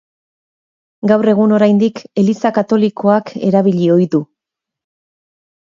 Gaur egun oraindik Eliza Katolikoak erabili ohi du.